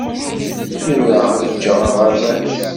Tura ad ǧǧeɣ aɣerbaz